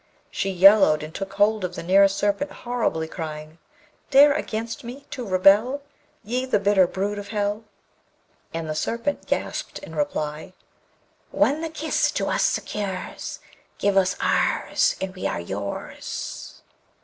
She yellowed, and took hold of the nearest Serpent horribly, crying: Dare against me to rebel, Ye, the bitter brood of hell? And the Serpent gasped in reply: One the kiss to us secures: Give us ours, and we are yours.